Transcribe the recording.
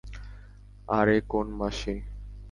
আরে কোন মাসি?